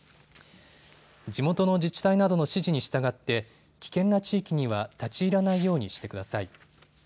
地元の自治体などの指示に従って危険な地域には立ち入らないようにしてください。